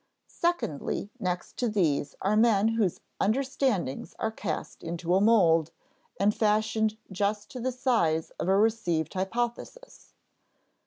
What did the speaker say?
"Secondly, next to these are men whose understandings are cast into a mold, and fashioned just to the size of a received hypothesis."